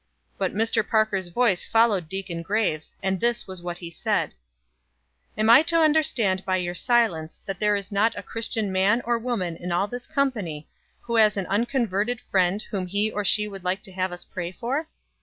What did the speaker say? But Mr. Parker's voice followed Deacon Graves'; and this was what he said: "Am I to understand by your silence that there is not a Christian man or woman in all this company who has an unconverted friend whom he or she would like to have us pray for?"